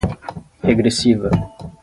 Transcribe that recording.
regressiva